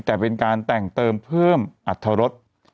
แต่เป็นการแต่งเติมเพิ่มอัตรรส